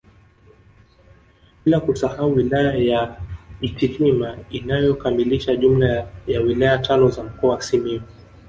Bila kusahau wilaya ya Itilima inayokamilisha jumla ya wilaya tano za mkoa wa Simiyu